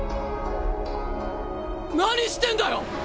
何してんだよ